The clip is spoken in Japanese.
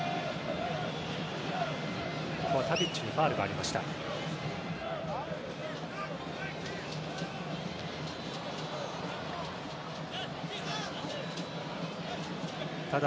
タディッチにファウルがありました。